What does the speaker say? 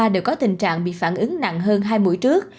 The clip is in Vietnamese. đều có tình trạng bị phản ứng nặng hơn hai mũi trước